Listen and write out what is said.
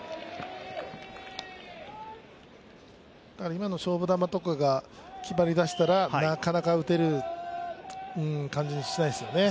今の勝負球とかが決まり出したらなかなか打てる感じ、しないですよね。